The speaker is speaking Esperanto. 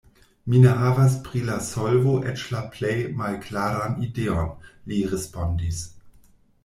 "Mi ne havas pri la solvo eĉ la plej malklaran ideon," li respondis.